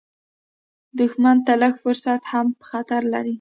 دښمن ته لږ فرصت هم خطر لري